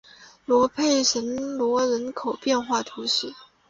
勒佩什罗人口变化图示